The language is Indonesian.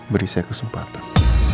beri saya kesempatan